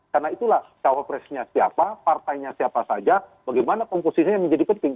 karena itulah cawapresnya siapa partainya siapa saja bagaimana komposisinya menjadi penting